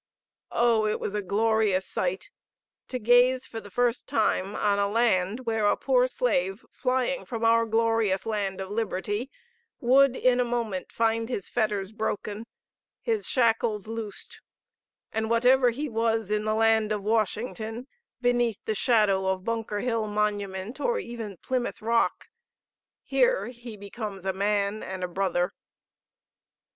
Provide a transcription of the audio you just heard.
Oh, it was a glorious sight to gaze for the first time on a land where a poor slave flying from our glorious land of liberty would in a moment find his fetters broken, his shackles loosed, and whatever he was in the land of Washington, beneath the shadow of Bunker Hill Monument or even Plymouth Rock, here he becomes a man and a brother.